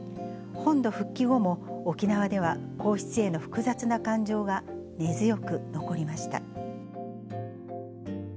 本土復帰後も、沖縄では皇室への複雑な感情が根強く残りました。